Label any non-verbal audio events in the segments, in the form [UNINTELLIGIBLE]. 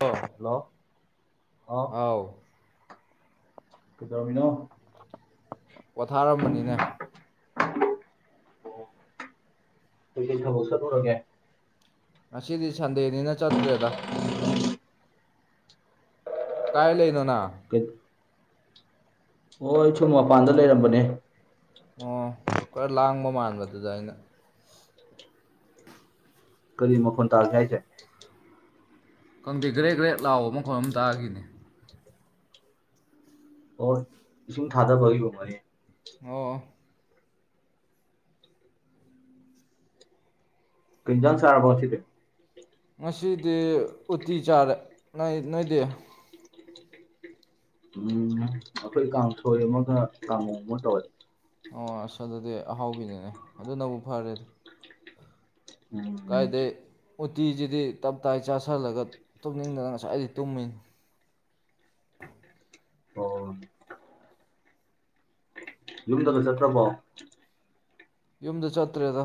ꯑꯣ ꯍꯜꯂꯣ ꯍꯥꯎ ꯑꯥꯎ ꯀꯩꯗꯧꯔꯃꯤꯅꯣ ꯄꯣꯊꯥꯔꯝꯕꯅꯤꯅꯦ ꯑꯣ ꯀꯩ ꯀꯩ ꯊꯕꯛ ꯆꯠꯂꯨꯔꯒꯦ ꯉꯁꯤꯗꯤ ꯁꯟꯗꯦꯅꯤꯅ ꯆꯠꯇ꯭ꯔꯦꯗ ꯀꯥꯏ ꯂꯩꯅꯣꯅꯪ ꯑꯣ ꯆꯨꯝ ꯃꯄꯥꯟꯗ ꯂꯩꯔꯝꯕꯅꯦ ꯑꯣ ꯈꯔ ꯂꯥꯡꯕ ꯃꯥꯟꯕꯗꯨꯗ ꯑꯩꯅ ꯀꯔꯤ ꯃꯈꯣꯟ ꯇꯥꯒꯦ ꯍꯥꯏꯁꯦ ꯈꯪꯗꯦ ꯒ꯭ꯔꯦꯠ ꯒ꯭ꯔꯦꯠ ꯂꯥꯎꯕ ꯃꯈꯣꯏ ꯑꯃ ꯇꯥꯒꯤꯅꯦ ꯑꯣ ꯏꯁꯤꯡ ꯊꯥꯗꯕꯒꯤ [UNINTELLIGIBLE] ꯅꯤ ꯑꯣ ꯀꯩ ꯏꯟꯖꯥꯡ ꯆꯥꯔꯕ ꯉꯁꯤꯗꯤ ꯉꯗꯤ ꯎꯇꯤ ꯆꯥꯔꯦ ꯅꯣꯏꯗꯤ ꯎꯝ ꯑꯩꯈꯣꯏ ꯀꯥꯡꯁꯣꯏ ꯑꯃꯒ ꯀꯥꯡꯍꯧ ꯑꯃꯒ ꯇꯧꯋꯦ ꯑꯣ ꯑꯁ ꯑꯗꯨꯗꯤ ꯑꯍꯥꯎꯕꯤꯅꯤꯅꯦ ꯑꯗꯨ ꯅꯕꯨ ꯐꯔꯦ ꯎꯝ ꯀꯥꯏꯗꯩ ꯎꯇꯤꯁꯤꯗꯤ ꯇꯞꯇꯥꯏ ꯆꯥꯥꯁꯜꯂꯒ ꯇꯨꯝꯅꯤꯡꯗꯅ ꯉꯁꯥꯏꯗꯩ ꯇꯨꯝꯃꯤꯅꯤ [INAUDIBLE] ꯌꯨꯝꯗꯒ ꯆꯠꯇ꯭ꯔꯕꯣ ꯌꯨꯝꯗ ꯆꯠꯇ꯭ꯔꯦꯗ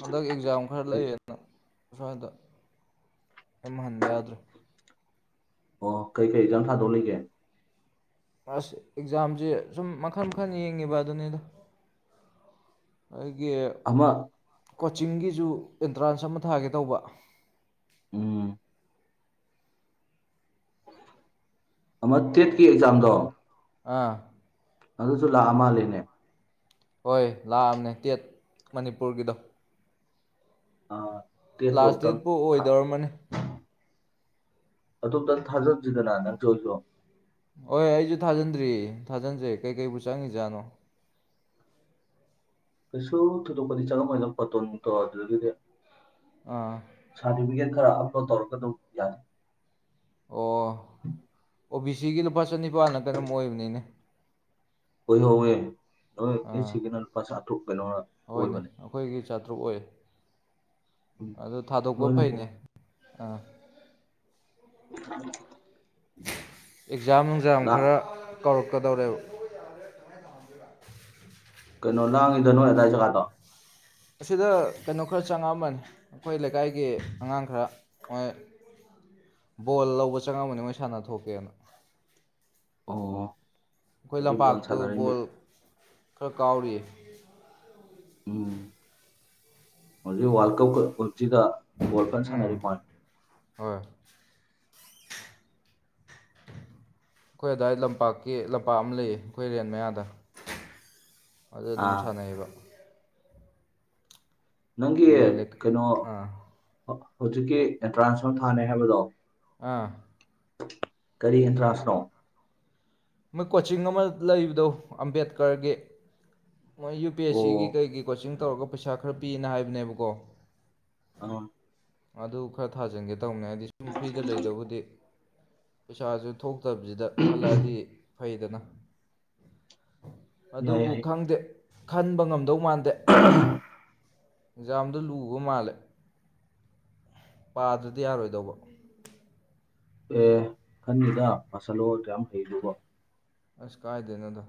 ꯍꯟꯗꯛ ꯑꯦꯛꯖꯥꯝ ꯈꯔ ꯂꯩꯌꯦꯗꯅ ꯑꯁ꯭ꯋꯥꯏꯗ ꯌꯨꯝ ꯍꯟꯕ ꯌꯥꯗ꯭ꯔꯦ ꯑꯣ ꯀꯩꯀꯩ ꯑꯦꯛꯖꯥꯝ ꯊꯥꯗꯧ ꯂꯩꯒꯦ ꯑꯁ ꯑꯦꯛꯖꯥꯝꯁꯦ ꯁꯨꯝ ꯃꯈꯟ ꯃꯈꯜ ꯌꯦꯡꯉꯤꯕ ꯑꯗꯨꯅꯤꯗ ꯑꯩꯒꯤ ꯑꯃ ꯀꯣꯆꯤꯡꯒꯤꯁꯨ ꯑꯦꯟꯇ꯭ꯔꯥꯟꯁ ꯑꯃ ꯊꯥꯒꯦ ꯇꯧꯕ ꯎꯝ ꯑꯃ ꯇꯦꯠꯀꯤ ꯑꯦꯛꯖꯥꯝꯗꯣ ꯑꯥ ꯑꯗꯨꯁꯨ ꯂꯥꯛ ꯑ ꯃꯥꯂꯦꯅꯦ ꯍꯣꯏ ꯂꯥꯛꯑꯝꯅꯦ ꯇꯦꯠ ꯃꯅꯤꯄꯨꯔꯒꯤꯗꯣ ꯑ ꯇꯦꯠꯇꯣ ꯂꯥꯁ ꯑꯝꯇꯪ ꯗꯦꯠꯄꯨ ꯊꯥ ꯑꯣꯏꯗꯧꯔꯝꯃꯅꯤ ꯑꯗꯨ ꯑꯝꯇꯪ ꯊꯥꯖꯟꯁꯤꯗꯅ ꯅꯪꯁꯨ ꯑꯩꯖꯨ ꯍꯣꯏ ꯑꯩꯖꯨ ꯊꯥꯖꯤꯟꯗ꯭ꯔꯤ ꯊꯥꯖꯟꯖꯦ ꯀꯩꯀꯩꯕꯨ ꯆꯪꯉꯤꯖꯥꯠꯅꯣ ꯀꯩꯁꯨ ꯊꯣꯏꯗꯣꯛꯄꯗꯤ ꯆꯪꯉꯝ ꯂꯣꯢꯗ ꯐꯣꯇꯣ ꯅꯨꯡꯇꯣ ꯑꯗꯨꯗꯒꯤꯗꯤ ꯑꯥ ꯁꯥꯔꯇꯤꯐꯤꯀꯦꯠ ꯈꯔ ꯑꯞꯂꯣꯗ ꯇꯧꯔꯒ ꯑꯗꯨꯝ ꯌꯥꯅꯤ ꯑꯣ ꯑꯣ ꯕꯤ ꯁꯤꯒꯤ ꯂꯨꯄꯥ ꯆꯅꯤꯄꯥꯥꯟꯂ ꯀꯩꯅꯣꯝ ꯑꯣꯏꯕꯅꯤꯅꯦ ꯑꯣꯢ ꯍꯧꯋꯦ ꯍꯣꯏ ꯑꯦꯁ ꯑꯥ ꯁꯤꯒꯤꯅ ꯂꯨꯄꯥ ꯆꯥꯇ꯭ꯔꯨꯛ ꯀꯩꯅꯣꯔ ꯍꯣꯏꯅꯦ ꯑꯣꯏꯕꯅꯦ ꯑꯩꯈꯣꯏꯒꯤ ꯆꯥꯇ꯭ꯔꯨꯛ ꯑꯣꯏ ꯎꯝ ꯑꯗꯨ ꯊꯥꯗꯣꯛꯄ ꯅꯣꯏꯅ ꯑꯃꯨꯛ ꯐꯩꯅꯦ ꯑ [UNINTELLIGIBLE] ꯑꯦꯛꯖꯥꯝ ꯅꯨꯡꯖꯥꯝ ꯂꯥꯛ ꯈꯔ ꯀꯧꯔꯛꯀꯗꯧꯔꯦꯕ ꯀꯩꯅꯣ ꯂꯥꯡꯉꯤꯗ ꯅꯣꯏ ꯑꯗꯥꯏ ꯖꯒꯥꯗꯣ ꯑꯁꯤꯗ ꯀꯩꯅꯣ ꯈꯔ ꯆꯪꯉꯛꯑꯝꯕꯅꯤ ꯑꯩꯈꯣꯏ ꯂꯩꯀꯥꯏꯒꯤ ꯑꯉꯥꯡ ꯈꯔ ꯃꯣꯢ [UNINTELLIGIBLE] ꯕꯣꯜ ꯂꯧꯕ ꯆꯪꯉꯝꯕꯅꯤ ꯃꯣꯏ ꯁꯥꯟꯅ ꯊꯣꯛꯀꯦꯅ ꯑꯣ ꯑꯩꯈꯣꯏ ꯍꯧꯖꯤꯛ ꯕꯣꯜ ꯂꯝꯄꯥꯛꯇꯨ ꯁꯥꯟꯅꯔꯤꯃꯤ ꯕꯣꯜ ꯈꯔ ꯀꯥꯎꯔꯤꯌꯦ ꯎꯝ ꯍꯧꯖꯤꯛ ꯋꯥꯜ ꯀꯞꯀ ꯁꯤꯗ ꯕꯣꯜ ꯀꯟ ꯁꯥꯟꯅꯔꯤ ꯎꯝ ꯃꯣꯏ ꯍꯣꯏ ꯑꯩꯈꯣꯏ ꯑꯗꯥꯏ ꯂꯝꯄꯥꯛꯀꯤ ꯂꯝꯄꯥꯛ ꯑꯃ ꯂꯩꯌꯦ ꯑꯩꯈꯣꯏ ꯔꯦꯟ ꯃꯌꯥꯗ [UNINTELLIGIBLE] ꯑꯗꯨ ꯑꯗꯨꯝ ꯁꯥꯟꯅꯩꯌꯦꯕ ꯅꯪꯒꯤ ꯃꯣꯏ ꯂꯩ ꯀꯩꯅꯣ ꯑꯥ ꯍꯧꯖꯤꯛꯀꯤ ꯑꯦꯟꯇ꯭ꯔꯥꯟꯁ ꯑꯃ ꯊꯥꯅꯤ ꯍꯥꯏꯕꯗꯣ ꯑꯥ ꯀꯔꯤ ꯏꯟꯇ꯭ꯔꯥꯟꯁꯅꯣ ꯃꯣꯏ ꯀꯣꯆꯤꯡ ꯑꯃ ꯂꯩꯕꯗꯣ ꯑꯝꯕꯦꯗꯀꯔꯒꯤ ꯃꯣꯏ ꯌꯨ ꯄꯤ ꯑꯦꯁ ꯑꯣ ꯁꯤꯒꯤ ꯀꯩꯒꯤ ꯀꯣꯆꯤꯡ ꯇꯧꯔꯒ ꯄꯩꯁꯥ ꯈꯔ ꯄꯤꯅ ꯍꯥꯏꯕꯅꯦꯕꯀꯣ ꯑꯣ ꯑꯗꯨ ꯈꯔ ꯊꯥꯖꯤꯟꯒꯦ ꯇꯧꯅꯦ ꯍꯥꯏꯗꯤ ꯁꯨꯝ ꯐ꯭ꯔꯤꯗ ꯂꯩꯗꯧꯕꯨꯗꯤ ꯄꯩꯁꯥꯁꯨ ꯊꯣꯛ ꯇꯕꯁꯤꯗ ꯈꯜꯂꯛꯑꯗꯤ ꯐꯩꯗꯅ ꯌꯥꯏ ꯑꯗꯨꯕꯨ ꯌꯥꯏ ꯈꯪꯗꯦ ꯈꯟꯕ ꯉꯝꯗꯧ ꯃꯥꯟꯗꯦ ꯑꯦꯛꯖꯥꯝꯗꯨ ꯂꯨꯕ ꯃꯥꯜꯂꯦ ꯄꯥꯗ꯭ꯔꯗꯤ ꯌꯥꯔꯣꯏꯗꯧꯕ ꯑꯦ ꯈꯟꯅꯤꯗ ꯄꯥꯁꯜꯂꯣ ꯑꯗꯨꯛ ꯌꯥꯝ ꯍꯩꯗꯨꯕꯣ ꯑꯁ ꯀꯥꯥꯏꯗꯩꯅꯣꯗ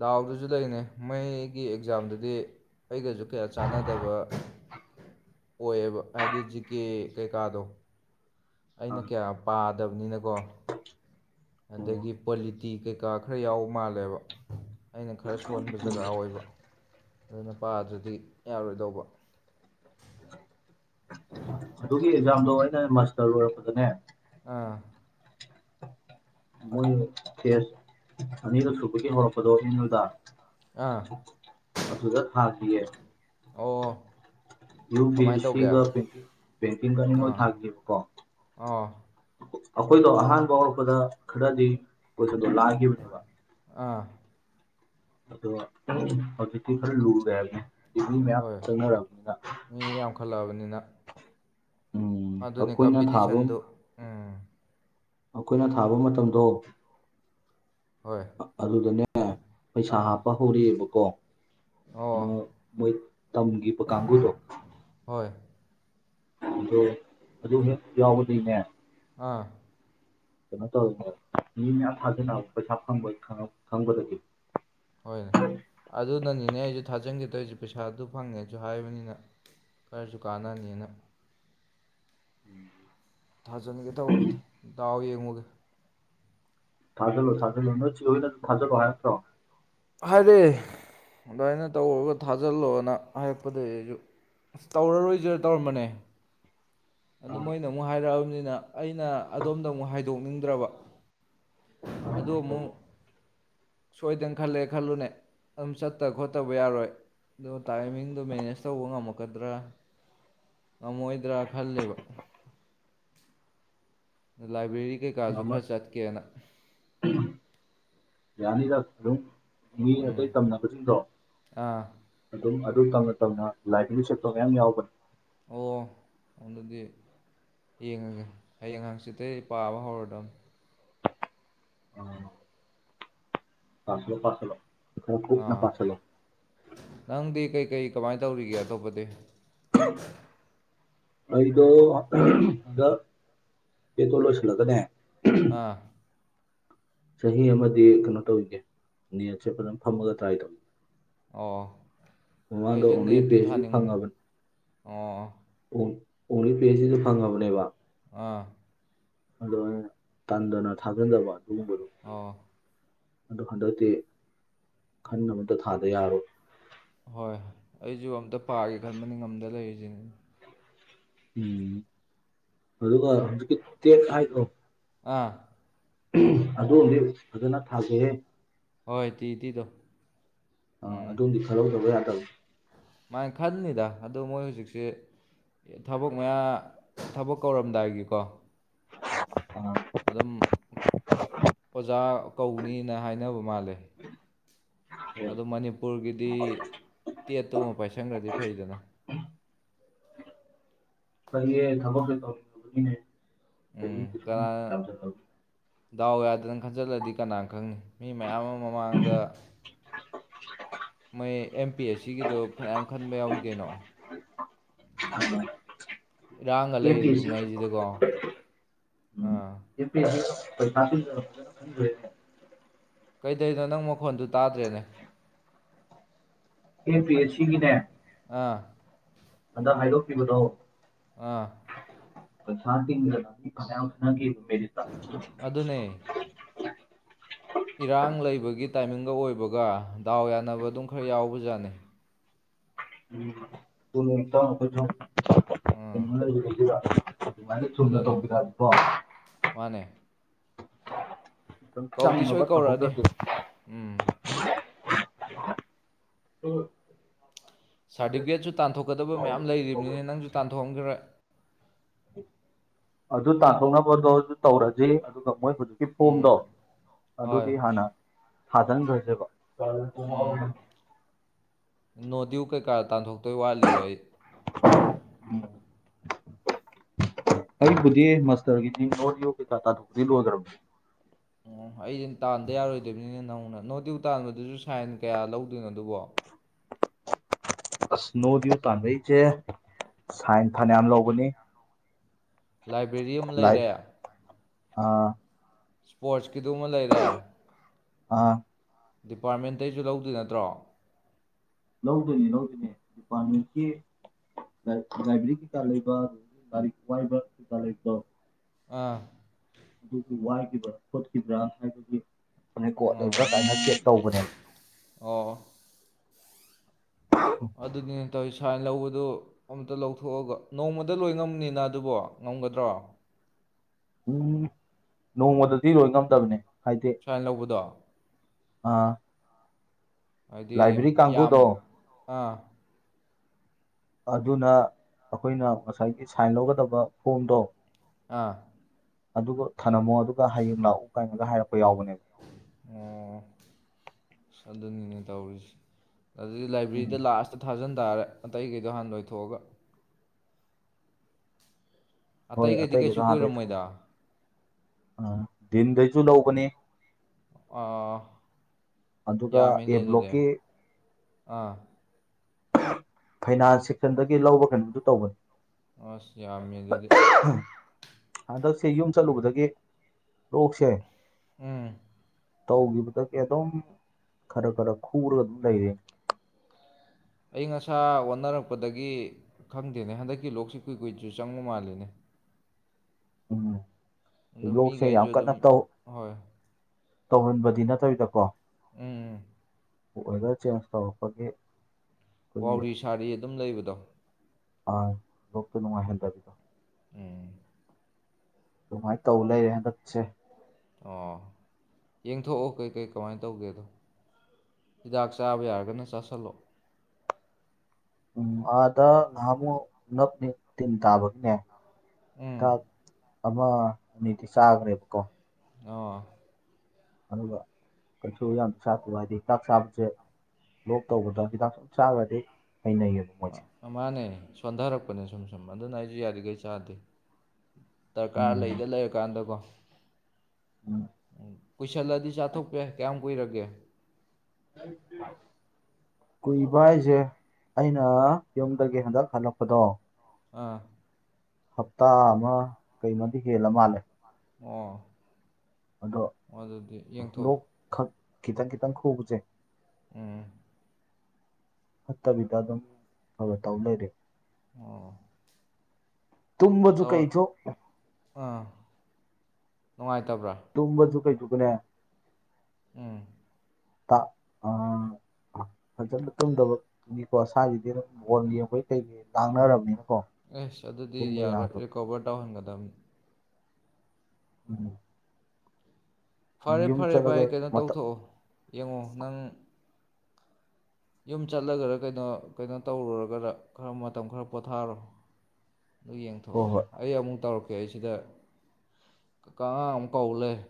ꯗꯥꯎꯗꯨꯖꯨ ꯂꯩꯅꯦ ꯃꯣꯏꯒꯤ ꯑꯦꯛꯖꯥꯝꯗꯨꯗꯤ ꯑꯩꯒꯁꯨ ꯀꯌꯥ ꯆꯥꯟꯅꯗꯕ ꯑꯣꯏꯑꯦꯕ ꯍꯥꯏꯗꯤ ꯖꯤꯀꯦ ꯀꯩꯀꯥꯗꯣ ꯑꯩꯅ ꯑꯥ ꯀꯌꯥ ꯄꯥꯗꯕꯅꯤꯅꯀꯣ ꯎꯝ ꯑꯗꯒꯤ ꯄꯣꯂꯤꯇꯤ ꯀꯩꯀꯥ ꯈꯔ ꯌꯥꯎꯕ ꯃꯥꯜꯂꯦꯕ ꯑꯩꯅ ꯈꯔ ꯁꯣꯟꯕ ꯖꯒꯥ ꯑꯣꯏꯕ ꯑꯗꯨꯅ ꯄꯥꯗ꯭ꯔꯗꯤ ꯌꯥꯔꯣꯏꯗꯧꯕ ꯑꯗꯨꯒꯤ ꯑꯦꯛꯖꯥꯝꯗꯣ ꯑꯩꯅ ꯃꯥꯁꯇꯔ ꯂꯣꯏꯔꯛꯄꯗꯅꯦ ꯑꯥ ꯃꯣꯏ ꯐꯦꯁ ꯑꯅꯤꯔꯛ ꯁꯨꯕꯒꯤ ꯍꯧꯔꯛꯄꯗꯣ ꯑꯝ ꯌꯨꯗ ꯑꯥ ꯑꯗꯨꯗ ꯊꯥꯈꯤꯌꯦ ꯑꯣ ꯌꯨ ꯄꯤ ꯑꯦ ꯀꯃꯥꯏꯅ ꯁꯤ ꯇꯧꯒꯦ ꯒ ꯕꯦꯡꯀꯤꯡ ꯕꯦꯡꯀꯤꯡꯒ ꯑꯅꯤꯃꯛ ꯑꯥ ꯊꯥꯒꯤꯌꯦꯕꯀꯣ ꯑꯥ ꯑꯈꯣꯏꯗꯣ ꯑꯍꯥꯟꯕ ꯍꯧꯔꯛꯄꯗ ꯈꯔꯗꯤ ꯀꯣꯏꯁꯟꯗꯣ ꯂꯥꯏꯈꯤꯕꯅꯦꯕ ꯑꯥ ꯑꯗꯣ ꯍꯧꯖꯤꯛꯇꯤ ꯈꯔ ꯂꯨꯔꯦ ꯍꯥꯏꯕꯅꯤ ꯃꯤ ꯃꯌꯥꯝ ꯍꯣꯏ ꯆꯪꯅꯔꯛꯑꯕꯅꯤꯅ ꯃꯤ ꯌꯥꯝꯈꯠꯂꯛꯑꯕꯅꯤꯅ ꯑꯗꯨꯅꯦ ꯑꯩꯈꯣꯏꯅ ꯀꯝꯄꯤꯇꯤꯁꯟꯗꯨ ꯎꯝ ꯑꯈꯣꯏꯅ ꯊꯥꯕ ꯃꯇꯝꯗꯣ ꯍꯣꯏ ꯑꯗꯨꯗꯅꯦ ꯄꯩꯁꯥ ꯑꯥ ꯍꯥꯞꯄ ꯍꯧꯔꯛꯑꯦꯕꯀꯣ ꯑꯣ ꯃ ꯃꯣꯏ ꯇꯝꯒꯤꯕ ꯀꯥꯡꯕꯨꯗꯣ ꯍꯣꯏ ꯑꯗꯣ ꯑꯗꯨ ꯍꯦꯛ ꯌꯥꯎꯕꯗꯩꯅꯦ ꯑꯥ ꯀꯩꯅꯣ ꯇꯧꯔꯤꯅꯕ ꯃꯤ ꯃꯌꯥꯝ ꯊꯥꯖꯟꯅꯕ ꯄꯩꯁꯥ ꯐꯪꯉ ꯈꯪꯉꯛ ꯈꯪꯕꯗꯒꯤ ꯍꯣꯏꯅꯦ ꯑꯗꯨꯅꯅꯤꯅꯦ ꯑꯩꯁꯨ ꯊꯥꯖꯤꯟꯒꯦ ꯇꯧꯔꯤꯁꯦ ꯄꯩꯁꯥꯗꯨ ꯐꯪꯉꯦꯁꯨ ꯍꯥꯏꯕꯅꯤꯅ ꯈꯔꯁꯨ ꯀꯥꯟꯅꯅꯤꯅ ꯊꯥꯖꯤꯟꯒꯦ ꯇꯧꯕꯅꯦ ꯗꯥꯎ ꯌꯦꯡꯉꯨꯒꯦ ꯊꯥꯖꯜꯂꯣ ꯊꯥꯖꯜꯂꯣ ꯅꯣꯏ ꯆꯦꯍꯣꯢꯅ ꯊꯥꯖꯜꯂꯣ ꯍꯥꯢꯔꯛꯇꯔꯣ ꯍꯥꯏꯔꯦ ꯑꯗꯨꯃꯥꯏꯅ ꯇꯧꯔꯒ ꯊꯥꯖꯤꯜꯂꯣꯅ ꯍꯥꯏꯔꯛꯄꯗꯒꯤ ꯑꯩꯁꯨ ꯑꯁ ꯇꯧꯔꯔꯣꯏꯖꯤꯔ ꯇꯧꯔꯝꯕꯅꯦ ꯑꯗꯨ ꯃꯣꯏꯅ ꯑꯃꯨꯛ ꯍꯥꯏꯔꯛꯑꯕꯅꯤꯅ ꯅ ꯑꯩꯅ ꯑꯗꯣꯝꯗ ꯑꯃꯨꯛ ꯍꯥꯏꯗꯣꯛꯅꯤꯡꯗ꯭ꯔꯕ ꯑꯗꯣ ꯑꯣ ꯑꯃꯨꯛ ꯁꯣꯏꯗꯅ ꯈꯜꯂꯦ ꯈꯜꯂꯨꯅꯦ ꯑꯗꯨꯝ ꯆꯠꯇꯕ ꯈꯣꯠꯇꯕ ꯌꯥꯔꯣꯏ ꯑꯗꯣ ꯇꯥꯏꯃꯤꯡꯗꯣ ꯃꯦꯅꯦꯖ ꯇꯧꯕ ꯉꯝꯃꯛꯀꯗ꯭ꯔꯥ ꯉꯝꯃꯛꯑꯣꯏꯗ꯭ꯔꯥ ꯈꯜꯂꯤꯕ ꯂꯥꯏꯕ꯭ꯔꯦꯔꯤ ꯀꯩꯀꯥꯁꯨ ꯉꯝꯃ ꯈꯔ ꯆꯠꯀꯦꯅ ꯌꯥꯅꯤꯗ ꯑꯗꯨꯝ ꯃꯤ ꯑꯇꯩ ꯎꯝ ꯇꯝꯅꯕꯁꯤꯡꯗꯣ ꯑꯥ ꯑꯗꯨꯝ ꯑꯗꯨ ꯇꯝꯅ ꯇꯝꯅ ꯂꯥꯏꯕ꯭ꯔꯤ ꯆꯠꯄꯒ ꯃꯌꯥꯝ ꯌꯥꯎꯕꯅꯤ ꯑꯣ ꯑꯗꯨꯗꯤ ꯌꯦꯡꯉꯒꯦ ꯍꯌꯦꯡ ꯍꯪꯆꯤꯠꯇꯩ ꯄꯥꯕ ꯍꯧꯔꯗꯕꯅꯤ ꯄꯥꯁꯤꯜꯂꯣ ꯄꯥꯁꯤꯜꯂꯣ ꯈꯔ ꯀꯨꯞꯅ ꯑꯥ ꯄꯥꯁꯤꯜꯂꯣ ꯀꯩ ꯀꯃꯥꯏꯅ ꯇꯧꯔꯤꯒꯦ ꯑꯇꯣꯞꯄꯗꯤ ꯑꯩꯗ ꯁꯤꯗ ꯕꯦꯗꯇꯣ ꯂꯣꯏꯁꯤꯂꯒꯅꯦ ꯑꯥ ꯆꯍꯤ ꯑꯃꯗꯤ ꯀꯩꯅꯣ ꯇꯧꯈꯤꯒꯦ ꯅꯦꯠꯁꯦ ꯐꯖꯅ ꯐꯝꯃꯒ ꯇ꯭ꯔꯥꯏ ꯇꯧꯈꯤ ꯑꯣ ꯑꯩꯖꯨ ꯑꯣꯡꯂꯤ ꯄꯤ ꯅꯦꯠꯇꯨ ꯑꯩꯆ ꯗꯤ ꯊꯥꯅꯤꯡꯕꯅꯤ ꯐꯪꯉꯕꯅꯦ ꯑꯣ ꯑꯣ ꯑꯣꯡꯂꯤ ꯄꯤ ꯑꯩꯆ ꯗꯤ ꯁꯨ ꯐꯪꯂꯕꯅꯦꯕ ꯑꯥ ꯑꯗꯣ ꯑꯩꯅ ꯇꯟꯗꯅ ꯊꯥꯖꯤꯟꯗꯕ ꯑꯗꯨꯒꯨꯝꯕ ꯑꯣ ꯑꯗꯨ ꯍꯟꯗꯛꯇꯤ ꯈꯟꯅꯕ ꯑꯝꯇ ꯊꯥꯗ ꯌꯥꯔꯔꯣꯏ ꯍꯣꯏ ꯑꯩꯖꯨ ꯑꯝꯇ ꯄꯥꯒꯦ ꯈꯟꯕꯅꯤ ꯉꯝꯗ ꯂꯩꯔꯤꯁꯤꯅꯤ ꯎꯝ ꯑꯗꯨꯒ ꯍꯧꯖꯤꯛꯀꯤ ꯇꯦꯠ ꯍꯥꯢꯗꯣ ꯑꯥ ꯑꯗꯨ ꯑꯝꯗꯤ ꯐꯖꯅ ꯊꯥꯁꯦꯍꯦ ꯍꯣꯏ ꯇꯤ ꯏ ꯇꯤ ꯗꯣ ꯑꯥ ꯑꯗꯨ ꯑꯝꯗꯤ ꯈꯜꯍꯧꯗꯕ ꯌꯥꯗꯕꯅꯤ ꯃꯥꯥꯏꯅ ꯈꯟꯅꯤꯗ ꯑꯗꯨ ꯃꯣꯏ ꯍꯧꯖꯤꯛꯁꯦ ꯊꯕꯛ ꯃꯌꯥ ꯊꯕꯛ ꯀꯧꯔꯝꯗꯥꯏꯒꯤꯀꯣ ꯑꯥ ꯑꯗꯨꯝ ꯑꯣꯖꯥ ꯀꯧꯅꯤꯅ ꯍꯥꯏꯅꯕ ꯃꯥꯜꯂꯦ ꯑꯗꯨ ꯃꯅꯤꯄꯨꯔꯒꯤꯗꯤ ꯇꯦꯠꯇꯨꯃ ꯄꯥꯏꯁꯪꯥꯟꯈ꯭ꯔꯗꯤ ꯐꯩꯗꯅ ꯑꯩꯈꯣꯢꯒꯤ ꯊꯕꯛꯇꯣ ꯇꯧꯅꯤꯡꯉꯨꯕꯒꯤꯅꯦ ꯎꯝ ꯀꯅꯥꯅ ꯗꯥꯎ ꯌꯥꯗꯅ ꯈꯟꯖꯤꯜꯂꯗꯤ ꯀꯅꯥ ꯈꯪꯅꯤ ꯃꯤ ꯃꯌꯥꯝ ꯑꯃ ꯃꯃꯥꯡꯗ ꯃꯣꯏ ꯑꯦꯝ ꯄꯤ ꯑꯦꯁ ꯁꯤꯒꯤꯗꯣ ꯐꯅꯌꯥꯝ ꯈꯟꯕ ꯌꯥꯎꯏ ꯀꯩꯅꯣ [UNINTELLIGIBLE] ꯏꯔꯥꯡꯒ ꯑꯝ ꯂꯩꯔꯤꯕꯉꯩꯁꯤꯗꯀꯣ ꯄꯤ ꯑꯦꯁ ꯑꯥ ꯁꯤ [UNINTELLIGIBLE] [UNINTELLIGIBLE] ꯀꯩꯗꯩꯅꯣ ꯅꯪ ꯃꯈꯣꯟꯗꯨ ꯇꯥꯗ꯭ꯔꯦꯅꯦ ꯑꯦꯝ ꯄꯤ ꯑꯦꯁ ꯁꯤ ꯒꯤꯅꯦ ꯑꯥ ꯍꯟꯗꯛ ꯍꯥꯏꯗꯣꯛꯈꯤꯕꯗꯣ ꯑꯥ ꯄꯩꯁꯥ ꯇꯤꯡꯗꯅ ꯃꯤ ꯐꯅꯥꯌꯥꯝ ꯆꯪꯅꯈꯤꯕ ꯃꯦꯔꯤꯠꯇ ꯑꯗꯨꯅꯦ ꯏꯔꯥꯡ ꯂꯩꯕꯒꯤ ꯇꯥꯏꯃꯤꯡꯒ ꯑꯣꯏꯕꯒ ꯗꯥꯎ ꯌꯥꯟꯅꯕ ꯑꯗꯨꯝ ꯈꯔ ꯌꯥꯎꯕꯖꯥꯠꯅꯤ ꯎꯝ ꯆꯨꯝꯃꯦ ꯏꯇꯥꯎ ꯑꯩꯈꯣꯢꯁꯨ ꯑꯥ ꯀꯩꯅꯣ ꯂꯩꯈꯤꯕꯗꯨꯗ ꯑꯗꯨꯃꯥꯏꯅ ꯆꯨꯝꯅ ꯑꯗꯨꯅꯦ ꯇꯧꯕꯤꯔꯛꯑꯗꯤꯀꯣ ꯃꯥꯅꯦ ꯗꯨꯝ ꯀꯧꯗꯤ ꯁꯣꯏ ꯆꯪꯅꯕ ꯀꯧꯔꯛꯑꯅꯤ ꯇꯧꯍꯧꯗꯗꯤ ꯎꯝ ꯎꯝ ꯁꯥꯔꯇꯤꯐꯤꯀꯦꯠꯁꯨ ꯇꯥꯟꯊꯣꯛꯀꯗꯕ ꯃꯌꯥꯝ ꯂꯩꯔꯤꯕꯅꯤꯅꯦ ꯅꯪꯁꯨ ꯇꯥꯟꯊꯣꯛꯑꯝꯈꯤꯔꯣꯢ ꯑꯗꯨ ꯇꯥꯟꯊꯣꯛꯅꯕꯗꯣ ꯑꯗꯨ ꯇꯧꯔꯁꯤ ꯑꯗꯨꯒ ꯃꯣꯏ ꯍꯧꯖꯤꯛꯀꯤ ꯎꯝ ꯐꯣꯝꯗꯣ ꯍꯣꯏ ꯑꯗꯨꯗꯤ ꯍꯥꯟꯅ ꯊꯥꯖꯤꯟꯒ꯭ꯔꯖꯦꯕ ꯎꯝ [UNINTELLIGIBLE] ꯀꯥ ꯇꯥꯟꯊꯣꯛꯇꯣꯏ ꯋꯥꯠꯂꯤꯕ ꯑꯩ [INAUDIBLE] ꯑꯩꯕꯨꯗꯤ ꯃꯁꯇꯔꯒꯤꯗꯤ ꯅꯣ ꯗ꯭ꯌꯨ ꯀꯩ ꯀꯥ ꯇꯥꯟꯊꯣꯛꯄꯗꯤ ꯂꯣꯢꯒ꯭ꯔꯕꯅꯤ ꯑꯩꯗꯤ ꯇꯥꯟꯗ ꯌꯥꯔꯣꯏꯗꯣꯏꯅꯤꯅꯦ ꯅꯧꯅ ꯅꯣ ꯗ꯭ꯌꯨ ꯇꯥꯟꯕꯗꯨꯁꯨ ꯁꯥꯏꯟ ꯀꯌꯥ ꯂꯧꯗꯣꯏꯅꯣ ꯑꯗꯨꯕꯣ ꯑꯁꯅꯣ ꯗ꯭ꯌꯨ ꯇꯥꯟꯕꯩꯖꯦ ꯁꯥꯏꯟ ꯐꯅꯌꯥꯝ ꯂꯧꯕꯅꯤ ꯂꯥꯏꯕ꯭ꯔꯦꯔꯤ ꯑꯃ ꯂꯩꯔꯦ ꯑꯥ ꯏꯁꯄꯣꯔꯠꯁꯀꯤꯗꯨꯃ ꯂꯩꯔꯦ ꯑꯥ ꯗꯤꯄꯥꯔꯠꯃꯦꯟꯇꯩꯁꯨ ꯂꯧꯗꯣꯏ ꯅꯠꯇ꯭ꯔꯣ ꯂꯧꯗꯣꯏꯅꯤ ꯂꯧꯗꯣꯏꯅꯦ ꯗꯤꯄꯥꯔꯠꯃꯦꯟꯀꯤ ꯂꯥꯏꯕ꯭ꯔꯦꯔꯤ ꯀꯩꯀꯥ ꯂꯩꯕ ꯑꯗꯒꯤ ꯂꯥꯏꯔꯤꯛ ꯋꯥꯏꯕ ꯀꯩꯀꯥ ꯂꯩꯕꯗꯣ ꯑꯥ ꯑꯗꯨꯒꯤ ꯋꯥꯢꯈꯤꯕ꯭ꯔꯥ ꯈꯣꯠꯈꯤꯕ꯭ꯔꯥ ꯍꯥꯏꯕꯒꯤ ꯔꯦꯀꯣꯠ ꯂꯩꯕ꯭ꯔꯥ ꯑꯣ ꯀꯥꯏꯅ ꯆꯦꯛ ꯇꯧꯕꯅꯦꯕ ꯑꯣ ꯑꯗꯨꯅꯦ ꯗꯣꯃꯤ ꯁꯥꯏꯟ ꯂꯧꯕꯗꯨ ꯑꯝꯇ ꯂꯧꯊꯣꯛꯑꯒ ꯅꯣꯡꯃꯗ ꯂꯣꯏ ꯉꯝꯕꯅꯤꯅ ꯑꯗꯨꯕꯣ ꯉꯝꯒꯗ꯭ꯔꯣ ꯎꯝ ꯅꯣꯡꯃꯗꯗꯤ ꯂꯣꯏ ꯉꯝꯗꯕꯅꯦ ꯍꯥꯏꯗꯤ ꯁꯥꯏꯟ ꯂꯧꯕꯗꯣ ꯑꯥ ꯍꯥꯏꯗꯤ ꯂꯥꯏꯕ꯭ꯔꯦꯔꯤ ꯌꯥꯝ ꯀꯥꯡꯕꯨꯗꯣ ꯑꯥ ꯑꯗꯨꯅ ꯑꯩꯈꯣꯏꯅ ꯉꯁꯥꯏꯒꯤ ꯁꯥꯏꯟ ꯂꯧꯒꯗꯕ ꯐꯣꯝꯗꯣ ꯑꯥ ꯑꯗꯨꯒ ꯊꯅꯝꯃꯣ ꯑꯗꯨꯒ ꯍꯌꯦꯡ ꯂꯥꯛꯎ ꯀꯥꯏꯅꯒ ꯍꯥꯏꯔꯛꯄ ꯌꯥꯎꯕꯅꯦꯕ ꯑꯣ ꯑꯁ ꯑꯗꯨꯅꯤꯅꯦ ꯇꯧꯔꯤꯁꯦ ꯑꯗꯨꯗꯤ ꯎꯝ ꯂꯥꯏꯕ꯭ꯔꯦꯔꯤꯗ ꯂꯥꯛꯑꯁꯨ ꯊꯥꯖꯟ ꯇꯥꯔꯦ ꯑꯇꯩꯈꯩꯗꯣ ꯍꯥꯟꯅ ꯂꯣꯏꯊꯣꯛꯑꯒ ꯍꯣꯏ ꯑꯇꯩꯈꯩꯗꯤ ꯑꯇꯩꯒꯤꯗꯣ ꯀꯩꯁꯨ ꯍꯥꯟꯅ ꯂꯣꯏꯊꯣꯛ ꯀꯨꯏꯔꯝꯃꯣꯏꯗ ꯑꯥ ꯗꯤꯟꯗꯩꯁꯨ ꯂꯧꯕꯅꯤ ꯑꯥ ꯑꯗꯨꯒ ꯌꯥꯝꯃꯤꯅꯦ ꯑꯦ ꯑꯗꯨꯗꯤ ꯕ꯭ꯂꯣꯛꯀꯤ ꯑꯥ ꯐꯩꯅꯥꯟꯁ ꯁꯦꯛꯁꯟꯗꯒꯤ ꯂꯧꯕ ꯀꯩꯅꯣꯝꯁꯨ ꯇꯧꯕꯅꯤ ꯑꯁ ꯌꯥꯝꯃꯦ ꯑꯗꯨꯗꯤ ꯁꯤ ꯌꯨꯝ ꯆꯠꯂꯨꯕꯗꯒꯤ ꯂꯣꯛꯁꯦ ꯎꯝ ꯇꯧꯈꯤꯕꯗꯒꯤ ꯑꯗꯨꯝ ꯈꯔ ꯈꯔ ꯈꯨꯔꯒ ꯑꯗꯨꯝ ꯂꯩꯔꯦ ꯑꯏꯪ ꯑꯁꯥ ꯑꯣꯟꯅꯔꯛꯄꯗꯒꯤ ꯈꯪꯗꯦꯅꯦ ꯍꯟꯗꯛꯀꯤ ꯂꯣꯛꯁꯤ ꯀꯨꯏ ꯀꯨꯏꯁꯨ ꯆꯪꯕ ꯃꯥꯜꯂꯤꯅꯦ ꯎꯝ ꯑꯗꯨꯝ ꯂꯣꯛꯁꯦ ꯌꯥꯝ ꯃꯤꯒꯩꯖꯨ ꯀꯟꯅ ꯑꯗꯨꯝ ꯇꯧ ꯍꯣꯏ ꯇꯧꯍꯟꯕꯗꯤ ꯅꯠꯇꯕꯤꯗꯀꯣ ꯎꯝ ꯋꯦꯗꯔ ꯆꯦꯟꯖ ꯇꯧꯔꯛꯄꯒꯤ ꯋꯥꯎꯔꯤ ꯁꯥꯔꯤ ꯑꯗꯨꯝ ꯂꯩꯕꯗꯣ ꯑꯥ ꯂꯣꯛꯇ ꯅꯨꯡꯉꯥꯏꯍꯟꯗꯕꯗꯣ ꯎꯝ ꯑꯗꯨꯃꯥꯏꯅ ꯇꯧ ꯂꯩꯔꯦ ꯍꯟꯗꯛꯁꯦ ꯑꯣ ꯌꯦꯡꯊꯣꯛꯑꯣ ꯀꯩꯀꯩ ꯀꯃꯥꯏꯅ ꯇꯧꯒꯦꯗꯣ ꯍꯤꯗꯥꯛ ꯆꯥꯕ ꯌꯥꯔꯒꯅ ꯆꯥꯁꯤꯜꯂꯣ ꯎꯝ ꯑꯥꯗ ꯉꯍꯥꯃꯨꯛ ꯅꯞꯅꯤ ꯇꯤꯟ ꯇꯥꯕꯒꯤꯅꯦ ꯎꯝ ꯥꯗꯥꯛ ꯑꯃ ꯑꯅꯤꯗꯤ ꯆꯥꯈ꯭ꯔꯦꯕꯀꯣ ꯑꯧ ꯑꯗꯨꯒ ꯀꯩꯁꯨ ꯌꯥꯝ ꯆꯥꯛꯀꯤ ꯋꯥꯗꯤ ꯍꯤꯗꯥꯛ ꯆꯥꯕꯁꯦ ꯂꯣꯛ ꯇꯧꯕꯗ ꯍꯤꯇꯥꯛ ꯁꯨꯝ ꯆꯥꯒ꯭ꯔꯗꯤ ꯍꯩꯅꯩꯌꯦꯕ ꯃꯣꯏꯁꯦ ꯑ- ꯃꯥꯅꯦ ꯁꯣꯟꯊꯔꯛꯄꯅꯦ ꯁꯨꯝ ꯁꯨꯝ ꯑꯗꯨꯅ ꯑꯩꯁꯨ ꯌꯥꯔꯤꯈꯩ ꯆꯥꯗꯦ ꯗꯔꯀꯥꯔ ꯎꯝ ꯂꯩꯗ ꯂꯩꯔꯀꯥꯟꯗꯀꯣ ꯎꯝ ꯀꯨꯏꯁꯜꯂꯗꯤ ꯆꯥꯊꯣꯛꯄ ꯌꯥꯏ ꯀꯌꯥꯝ ꯀꯨꯏꯔꯒꯦ [UNINTELLIGIBLE] ꯀꯨꯏꯕ ꯍꯥꯏꯖꯦ ꯑꯩꯅ ꯌꯨꯝꯗꯒꯤ ꯍꯟꯗꯛ ꯍꯜꯂꯛꯄꯗꯣ ꯑꯥ ꯍꯞꯇꯥ ꯑꯃ ꯀꯩꯅꯣꯃꯗꯤ ꯍꯦꯜꯂ ꯃꯥꯜꯂꯦ ꯑꯣ ꯑꯗꯣ ꯑꯗꯨꯗꯤ ꯂꯣꯛ ꯌꯦꯡꯊꯣꯛꯑꯣ ꯈꯛ ꯈꯤꯇꯪ ꯈꯤꯇꯪ ꯈꯨꯕꯁꯦ ꯎꯝ ꯐꯠꯇꯕꯤꯗ ꯑꯗꯨꯝ ꯈꯥꯔ ꯈꯥꯔ ꯇꯧ ꯂꯩꯔꯦ ꯑꯣ ꯇꯨꯝꯕꯁꯨ ꯇꯧꯔ ꯀꯩꯁꯨ ꯑꯥ ꯅꯨꯡꯉꯥꯏ ꯇꯨꯝꯕꯁꯨ ꯀꯩꯁꯨꯒꯅꯦ ꯎꯝ ꯇ ꯑꯥ ꯐꯖꯅ ꯇꯨꯝꯗꯕꯅꯤꯀꯣ ꯁꯥꯥꯏꯁꯤꯗꯤ ꯑꯗꯨꯝ ꯕꯣꯜ ꯌꯦꯡꯕꯩ ꯀꯩꯒꯤ ꯂꯥꯡꯅꯔꯕꯅꯤꯅ ꯑꯁ ꯑꯗꯨꯗꯤ ꯌꯥꯔꯣꯏ ꯔꯤꯀꯣꯕꯔ ꯇꯧꯍꯟꯒꯗꯕꯅꯤ ꯎꯝ ꯐꯔꯦ ꯌꯨꯝ ꯐꯔꯦ ꯚꯥꯏ ꯆꯠꯂꯒ ꯀꯩꯅꯣ ꯃꯇꯝ ꯇꯧꯊꯣꯛꯑꯣ ꯌꯦꯡꯉꯣ ꯅꯪ ꯌꯨꯝ ꯆꯠꯂꯒꯗ ꯀꯩꯅꯣ ꯀꯩꯅꯣ ꯇꯧꯔꯨꯔꯒꯗ ꯈꯥꯔ ꯃꯇꯝ ꯈꯥꯔ ꯄꯣꯊꯥꯔꯣ ꯑꯗꯨ ꯍꯣꯏ ꯌꯦꯡꯊꯣꯛꯑꯣ ꯍꯣꯏ ꯑꯩ ꯑꯃꯨꯛ ꯇꯧꯔꯛꯀꯦ ꯀꯦ ꯁꯤꯗ ꯀꯥꯀꯥ ꯑꯃꯨꯛ ꯀꯧ ꯂꯩꯔꯦ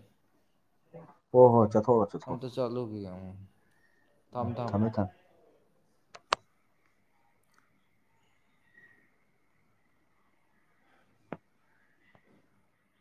ꯍꯣꯍꯣ ꯆꯠꯊꯣꯛ ꯑꯝꯇ ꯆꯂꯨꯒꯤꯒꯦ ꯊꯝꯃꯦ ꯊꯝꯃꯦ